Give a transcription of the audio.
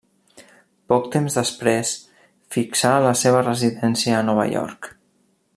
Poc temps després fixà la seva residència a Nova York.